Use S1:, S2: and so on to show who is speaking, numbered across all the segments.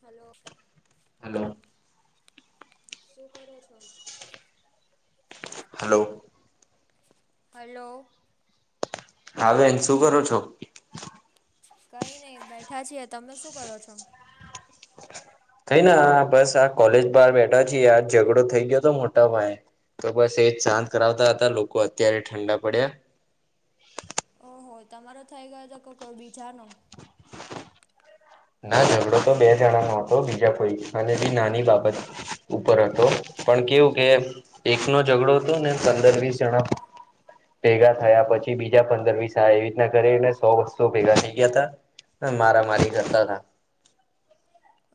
S1: Hello.
S2: Hello.
S1: શું કરો છો?
S2: હલો.
S1: હલો.
S2: હા બેન શું કરો છો?
S1: કઈ નહી બેઠા છીએ તમે શું કરો છો?
S2: કઈને બસ આ કોલેજ બહાર બેઠા છીએ ઝઘડો થઈ ગયો હતો મોટા પાયે તો બસ એજ શાંત કરાવતા હતા લોકો અત્યારે ઠંડા પડ્યા
S1: ઓહો તમારો થઈ ગયો તો કોઈ બીજા નો
S2: ના ઝઘડો તો બે જણા નો હતો બીજા કોઈ અને બી નાની બાબત ઉપર હતો પણ કેવું કે એક નો ઝઘડો હતો ને પંદર વીસ જણા ભેગા થયા પછી બીજા પંદર વીસ આયા એવી રીતના કરીને સોસો ભેગા થઈ ગયા તા હ મારામારી કરતા તા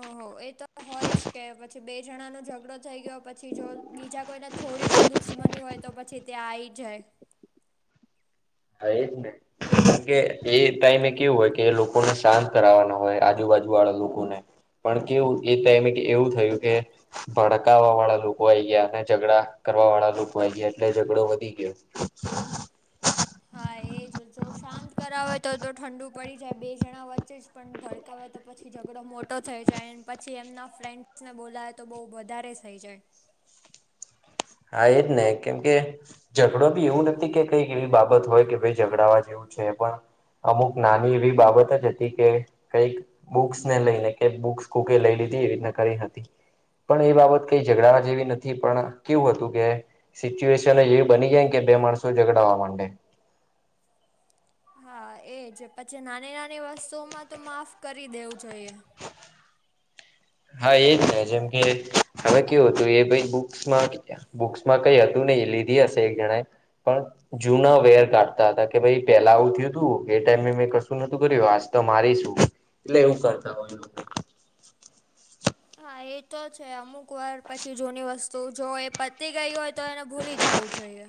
S1: અહો એ તો હોય છે પછી બે જણાનો ઝઘડો થઈ ગયો પછી જો બીજા કોઈને થોડી પણ દુશ્મની હોય તો પછી ત્યાં આઈ જાય
S2: હા એજ ને કે એ ટાઈમે કેવું હોય કે એ લોકોને શાંત કરાવવાના હોય આજુબાજુ વાળા લોકોને પણ કેવું એ ટાઈમે કે એવું થયું કે ભડકાવવા વાળા લોકો આઈ ગયા અને ઝઘડા કરવા વાળા લોકો આઈ ગયા એટલે ઝઘડો વધી ગયો
S1: હા એજ જો શાંત કરાવા હોય તો તો ઠંડુ પડી જાય બે જણા વચ્ચે જ પણ ભડકાવે તો પછી ઝઘડો મોટો થઈ જાયન પછી એમના ફ્રેન્ડ્સને બોલાવે તો બઉ વધારે થઈ જાય
S2: હા એ જ ને કેમ કે ઝઘડો બી એવું નથી કે કંઈક એવી બાબત હોય કે ભઈ ઝઘડાવા જેવું છે પણ અમુક નાની એવી બાબત જ હતી કે કંઈક બુક્સ ને લઈને કે બુક્સ કોકે લઈ લીધી એવી રીતના કરીને હતી પણ એ બાબત કઈ ઝઘડાવા જેવી નથી પણ કેવું અતું કે સિચ્યુએશન જ એવી બની જાય ને કે બે માણસો ઝગડાવા માંડે
S1: હા એજ પછી નાની નાની વસ્તુઓમાં તો માફ કરી દેવું જોઈએ
S2: હા એ જ છે જેમ કે હવે કેવું હતું એ ભઈ બુક્સમાં બુક્સમાં કઈ હતું નહી લીધી હશે એક જણાએ પણ જૂના વેર કાઢતા હતા કે ભઈ પેલા આવું થયું તું એ ટાઈમે મેં કશું નતું કર્યું આજ તો મારીશ એટલે એવું કરતા હોય
S1: હા એ તો છે અમુક વાર પછી જૂની વસ્તુ જો એ પતી ગઈ હોય તો એને ભૂલી જાવું જોઈએ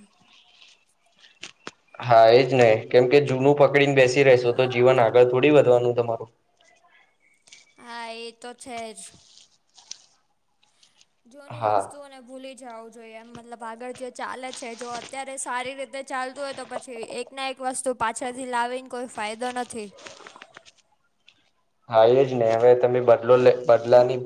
S2: હા એજ ને કેમ કે જૂનું પકડી ને બેસી રેસુ તો જીવન આગળ થોડી વધવાનું તમારું
S1: હા એ તો છે જ જૂની
S2: હા
S1: વસ્તુઓને ભૂલી જાવું જોઈએ એમ મતલબ આગળ જે ચાલે છે જો અત્યારે સારી રીતે ચાલતું હોય તો પછી એક ના એક વસ્તુ પાછળથી લાવીને કોઈ ફાયદો નથી
S2: હા એ જ ને હવે તમે બદલો લઇ બદલાની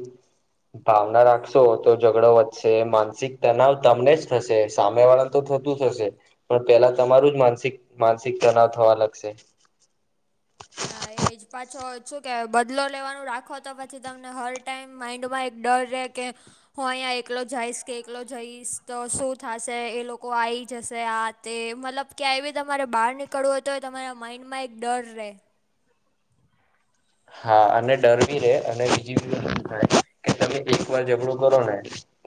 S2: ભાવના રાખશો તો ઝગડો વધશે માનસિક તનાવ તમને જ થશે સામે વાળા તો થતું જ થશે પણ પેલા તમારું જ માનસિક માનસિક તનાવ થવા લાગશે [inaudible]
S1: હા એ જ પાછો શું કેવાય બદલો લેવાનું રાખો તો પછી તમને હર ટાઈમ માઈન્ડમાં એક ડર રે કે હું અંઈયા એકલો જાઈશ કે એકલો જઈશ તો શું થાશે એ લોકો આઈ જશે આ તે મતલબ ક્યાંય બી તમારે બાર નીકળવું હોય તોય તમારા માઈન્ડમાં એક ડર રે
S2: હા અને ડર બી રે અને બીજી બધું થાય કે તમે એક વાર ઝઘડું કરો ને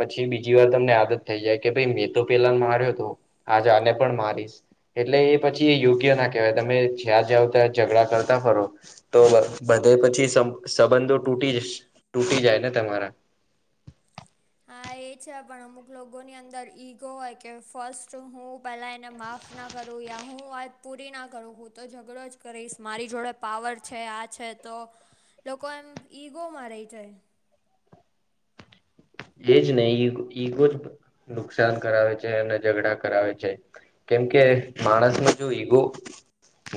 S2: પછી બીજી વાર તમને આદત થઈ જાય કે ભઈ મેં તો પેલાને માર્યો તો આજે આને પણ મારીશ એટલે એ પછી યોગ્ય ના કેવાય તમે જ્યાં જઓ ત્યાં ઝઘડા કરતા ફરો તો બ બધેય પછી સંબં સંબંધો તૂટી સ તૂટી જાય ને તમારા
S1: હા એ છે પણ અમુક લોકોની અંદર ઈગો હોય કે ફર્સ્ટ હું પેલા એને માફ ના કરું યા હું વાત પૂરી ન કરું હું તો ઝઘડો જ કરીશ મારી જોડે પાવર છે આ છે તો લોકો એમ ઈગોમાં રઈ જાય
S2: એજ ને ઈ ઈગો જ નુકસાન કરાવે છે અને ઝઘડા કરાવે છે કેમકે માણસ ને જો ઈગો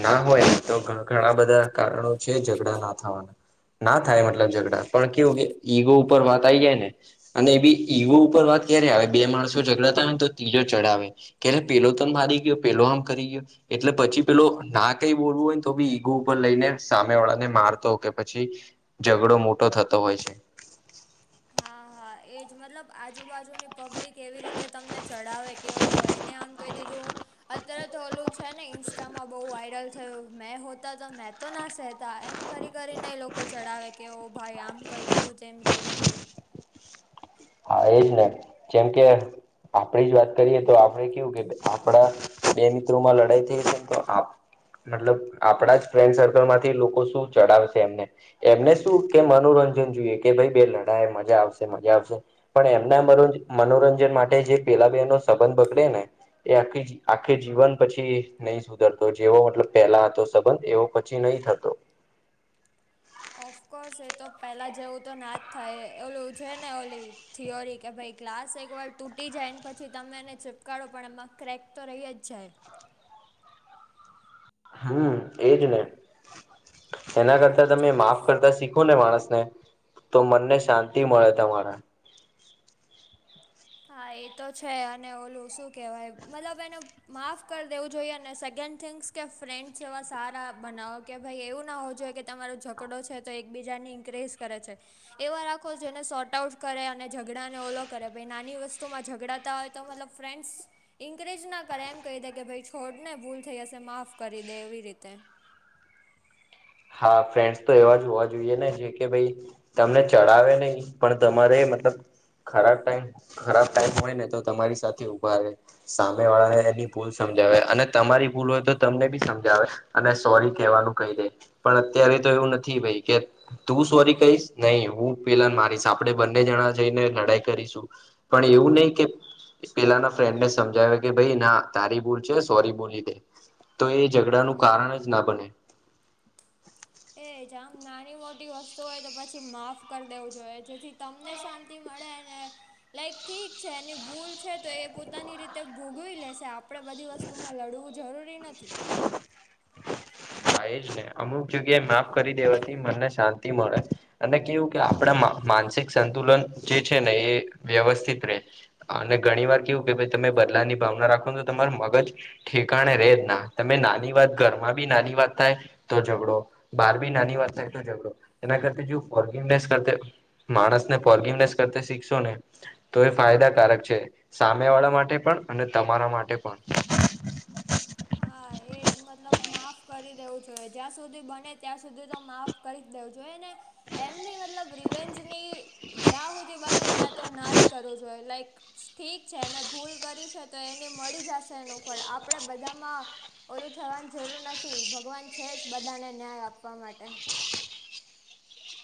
S2: ના હોય ને તો ઘણા ઘણા બધા કારણો છે ઝઘડા ના થવાના ના થાય મતલબ ઝઘડા પણ કેવું કે ઈગો ઉપર વાત આવી જાય ને અને એ બી ઈવો ઉપર વાત ક્યારે આવે બે માણસો ઝગડાતા હોય ને તો ત્રીજો ચઢાવે કે પેલો તને મારી ગયો પેલો આમ કરી ગયો એટલે પછી પેલો ના કઈ બોલવું હોય તો બી ઈગો ઉપર લઈને સામે વાળા ને મારતો કે પછી ઝઘડો મોટો થતો હોય છે.
S1: હા હા એજ મતલબ આજુબાજુની પબ્લિક એવી રીતે તમને ચડાવે કે ઓ એને આમ કહી દીધું અત્યારે તો ઓલું છે ને ઇન્સ્ટામાં બહુ વાયરલ થયું મેં હોતા તો મેં તો ના સહેતા એમ કરી કરીને એ લોકો ચડાવે કે ઓ ભાઈ આમ કહી દીધું તેમ કહી દીધું
S2: હા એજ ને જેમ કે આપણે જ વાત કરીએ તો આપણે કેવું કે આપડા બે મિત્રો માં લડાઈ થઈ છે તો આપ મતલબ આપડા જ ફ્રેન્ડ સર્કલ માંથી લોકો શું ચડાવશે એમને એમને શું કે મનોરંજન જોઈએ કે ભાઈ બે લડાય એ મજા આવશે મજા આવશે પણ એમના મનોરંજન માટે જે પેલા બે નો સંબંધ બગડે ને એ આખી આખે જીવન પછી નહી સુધરતો જેવો મતલબ પેલા હતો સંબંધ એવો પછી નહી થતો
S1: ઓફકોર્સ એ તો પેલા જેવું તો ના જ થાય ઓલું છે ને ઓલી થિયોરી કે ભાઈ ગ્લાસ એકવાર તૂટી જાયને પછી તમે એને ચીપકારો પણ એમાં ક્રેક તો રહી જ જાય.
S2: હમ્મ એજ ને એના કરતા તમે
S1: જોકે
S2: માફ કરતા શીખો ને માણસને તો મનને શાંતિ મળે તમારા
S1: હા એ તો છે અને ઓલું શું કેહેવાય મતલબ એનો માફ કરી દેવું જોઈએ અને સેકન્ડ થિંગ્સ કે ફ્રેન્ડ્સ એવા સારા બનાવો કે ભાઈ એવું ના હોવુ જોઈએ કે તમારો ઝઘડો છે તો એકબીજાની ઇન્ક્રીઝ કરે છે. એવા રાખો જેને શોર્ટ આઉટ કરે અને ઝઘડા ને ઓલો કરે [unintelligible] નાની વસ્તુમાં ઝઘડાતા હોય તો મતલબ ફ્રેન્ડ્સ ઇન્કરેજ ના કરે એમ કહી દે કે ભાઈ છોડ ને ભૂલ થઈ હશે માફ કરી દે એવી રીતે
S2: હા ફ્રેન્ડસ તો એવા જ હોવા જોઈએ ને જે કે ભાઈ તમને ચડાવે નહી પણ તમારે મતલબ ખરાબ ટાઈમ ખરાબ ટાઈમ હોય ને તો તમારી સાથે ઉભા રહે સામે વાળાએ એની ભૂલ સમજાવે અને તમારી ભૂલ હોય તો તમને બી સમજાવે અને સોરી કહેવાનું કહી દે પણ અત્યારે તો એવું નથી ભાઈ કે તું સોરી કહીશ નહી હું પેલાને મારીશ આપણેે બંને જણા જઈને લડાઈ કરીશું પણ એવું નહી કે પેલા ના ફ્રેન્ડ ને સમજાવે કે ભાઈ ના તારી ભૂલ છે સોરી બોલી દે તો એ ઝઘડા નું કારણ જ ના બને
S1: એ જામ નાની મોટી વસ્તુ હોય તો પછી માફ કરી દેવું જોઈએ જેથી તમને શાંતિ મળે અને લાઈક ઠીક છે એની ભૂલ છે તો એ પોતાની રીતે ભોગવી લેશે આપ આપણે બધી વસ્તુમાં લડવું જરૂરી નથી.
S2: હા એ જને અમુક જગ્યાએ માફ કરી દેવાથી મનને શાંતિ મળે. અને કેવું કે આપણા મા માનસિક સંતુલન જે છે ને એ વ્યવસ્થિત રહે. અને ઘણી વાર કેવું કે તમે બદલા ની ભાવના રાખો ને તો તમાર મગજ ઠેકાણે રે જ ના તમે નાની વાત ઘર માં બી નાની વાત થાય તો ઝગડો બાર બી નાની વાત થાય તો ઝઘડો એના કરતા જો ફોરગ્યુ નાઈશ કરતા માણસને ઓર્ગને શીખશો ને તો એ ફાયદાકારક છે સામે વાળા માટે પણ અને તમારા માટે પણ [inaudible]
S1: એ જ મતલબ માફ કરી દેવું જોઈએ જ્યાં સુધી બને ત્યાં સુધી તો માફ કરી જ દેવું જોઈએ ને એમ બી મતલબ રીવેન્જની જ્યાં સુુંધી બને ત્યાં તો ના જ કરવુ જોઈએ લાઈક ઠીક છે એને ભૂલ કરી છે તો એની મળી જશે એનું ફળ આપડે બધા એમાં ઓલું થવાની જરૂર નથી ભગવાન છે જ બધાને ન્યાય આપવા માટે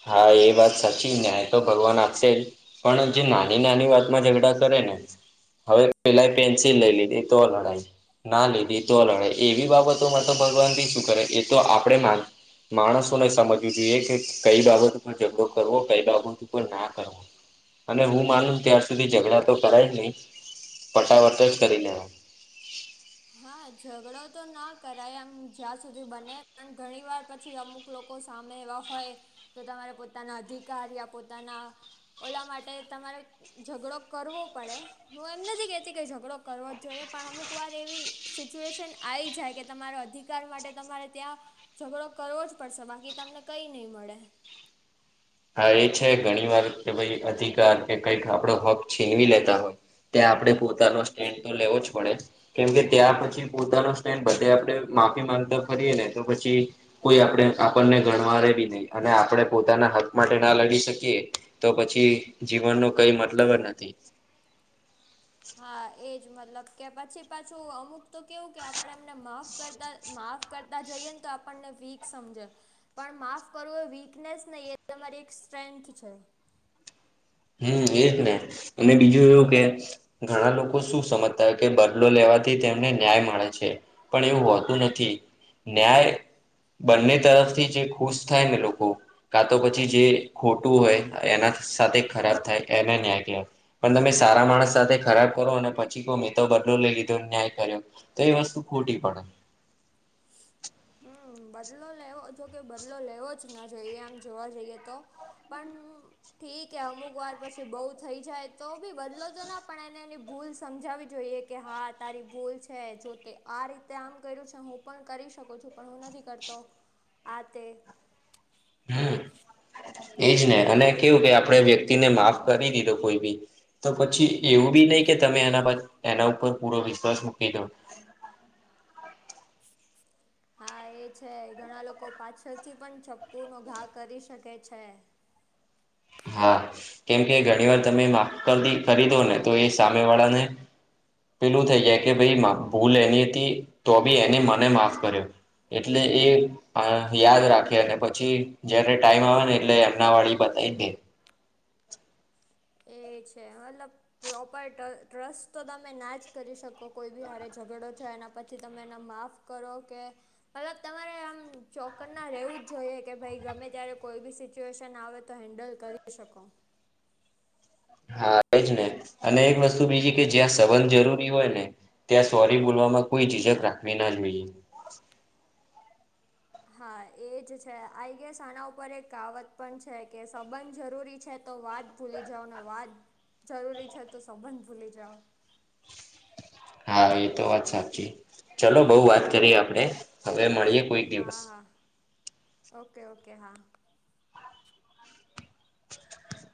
S2: હા એ વાત સાચી ન્યાય તો ભગવાન આપશે જ પણ જે નાની નાની વાતમાં જ ઝઘડા કરે ને હવે પેલા પેન્સિલ લઈ લીધી તો લડાય છે. ના લીધી તો લડે એવી બાબતો માં તો ભગવાન થી શું કરે એ તો આપણે માણસોને સમજવું જોઈએ કે કઈ બાબત ઉપર ઝઘડો કરવો કઈ બાબત ઉપર ના કરવો. અને હું માનું ત્યાાર સુધી ઝઘડા તો કરાય નહીં ફટાવટ જ કરી લેવાનું.
S1: હા ઝઘડો તો ના કરાય એમ જ્યાં સુધી બને પણ ઘણી વાર પછી અમુક! લોકો સામે એવા હોય તો તમારે પોતાના અધિકારી પોતાના ઓલા માટે તમારે ઝઘડો કરવો પડે હું એમ નથી કેતી કે ઝઘડો કરવો જોઈએ પણ અમુક વાત એવી સિચ્યુએશન આવી જાય કે તમારા અધિકાર માટે તમારે ત્યારે ઝઘડો કરવો જ પડશે બાકી તમને કઈ નહી મળે.
S2: હા એ છે ઘણી વાર કે ભાઈ અધિકાર કે કઈક આપડો હક છીનવી લેતા હોય ત્યાં આપણે પોતાનો સ્ટેન્ડ તો લેવો જ પડે. કેમકે ત્યાં પછી પોતાનો સ્ટેન્ડ બધે આપડે માફી માંગતા ફરીએ ને તો પછી! કોઈ આપણે આપણને ગણવારે બી નહી અને આપણે પોતાના હક માટે ના લડી શકીએ તો પછી જીવન નો કઈ મતલબ જ નથી.
S1: હા એજ મતલબ કે પછી પાછું અમુક તો કેવું કે આપણે એમને માફ કરતા માફ કરતા જઈએ ને તો આપણને વીક સમજે પણ માફ કરવું એ વીકનેસ નહીં એ તમારી એક સ્ટ્રેન્થ છે.
S2: હમ્મ એજ ને અને બીજું એવું કે ઘણા લોકો શું સમજતા હોય કે બદલો લેવાથી તેમને ન્યાય મળે છે. પણ એવું હોતું નથી ન્યાય બંને તરફથી જે ખુશ થાય ને લોકો કા તો પછી જે ખોટું હોય એના સાથે ખરાબ થાય એને ન્યા કેવાય પણ તમે સારા માણસ સાથે ખરાબ કરો અને પછી કો મેં તો બદલો લઈ લીધો ન્યાય કર્યો. તો એ વસ્તુ ખોટી પડે. જોપ....
S1: હમ્મ બદલો લેવો જો કે બદલો લેવો જ ના જોઈએ આમ જોવા જઈએ તો પણ ઠીક એ અમુક વાર પછી બહુ થઈ જાય તો બી બદલો તો ના પણ એને એની ભૂલ સમજાવી જોઈએ. કે હા તારી ભૂલ છે જોતે આ રીતે આમ કર્યું છે હું, હું પણ કરી શકું છું પણ હું નથી કરતો આ તે,
S2: હમ એજ ને અને કેવું કે આપણે વ્યક્તિને માફ કરી દીધો કોઈ બી, તો પછી એવું બી નહી કે તમે એના એના ઉપર પૂરો વિશ્વાસ મૂકી દો,
S1: હા એ છે ઘણા લોકો પાછળથી પણ ચપ્પુ નો ઘા કરી શકે છે.
S2: હા કેમકે ઘણી વાર તમે માફથી કારી દો ને તો એ સામે વાળા ને, પેલું થઈ જાય કે ભાઈ ભૂલ એની હતી તો બી એને મને માફ કર્યો. એટલે એ, યાદ રાખે અને પછી જયારે ટાઈમ આવે ને એટલે એમના વાળી બતાવી દે,
S1: એ છે [inaudible] મતલબ પ્રોપર ટ્રસ્ટ તો તમે ના જ કરી શકો કોઈ બી હરે ઝઘડો છો એના પછી તમે એને માફ, કરો કે, મતલબ તમારે આમ ચોકરના રહેવું જ જોઈએ કે ભાઈ ગમે ત્યારે કોઈ બી સિચ્યુએશન આવે, તો હેન્ડલ કરી શકો.
S2: હા એ જ ને અને એક વસ્તુ બીજી કે જ્યાં સવાલ જરૂરી હોય ને, ત્યાં સોરી બોલવામાં કોઈ ઝીઝક રાખવી ના જોઈએ,
S1: હા એ જ છે આઈ ગેસ આના ઉપર એક કાવત પણ છે કે સંબંધ જરૂરી છે તો વાત, ભૂલી જાઓ ને વાત જરૂરી છે, તો સંબંધ ભૂલી જાઓ.
S2: હા એ તો વાત સાચી ચલો બઉ વાત કરી આપણે હવે મળીએ કોઈક દિવસ,
S1: હા હા ઓકે ઓકે હા,
S2: [inaudible] [inaudible] [inaudible]